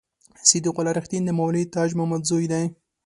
صدیق الله رښتین د مولوي تاج محمد زوی دی.